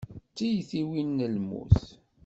D tiyitwin n lmut.